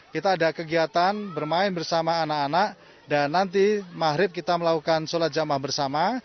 kita ada kegiatan bermain bersama anak anak dan nanti mahrib kita melakukan sholat jamah bersama